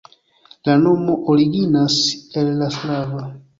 La nomo originas el la slava.